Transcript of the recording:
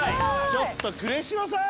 ちょっと呉城さん！